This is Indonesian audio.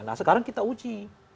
nah sekarang kita uji